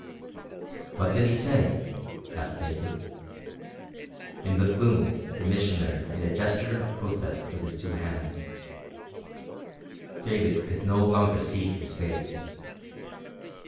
"What did he say?" asked David. In the gloom the Missioner made a gesture of protest with his two hands. David could no longer see his face.